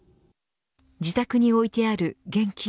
自宅に置いてある現金